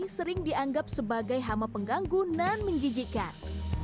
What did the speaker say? sering dianggap sebagai hama pengganggu dan menjijikan